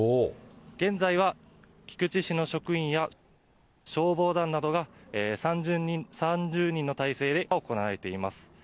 現在は菊池市の職員や、消防団などが、３０人の態勢で行われています。